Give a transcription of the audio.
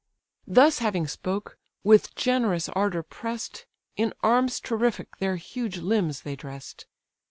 Thus having spoke, with generous ardour press'd, In arms terrific their huge limbs they dress'd.